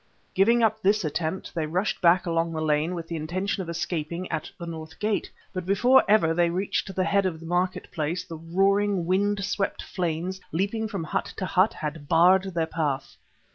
Giving up this attempt, they rushed back along the lane with the intention of escaping at the north gate. But before ever they reached the head of the market place the roaring, wind swept flames, leaping from hut to hut, had barred their path.